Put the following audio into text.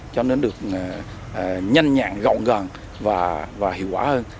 cho nên được nhanh nhạc rộng ràng và hiệu quả hơn